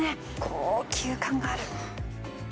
高級感がある。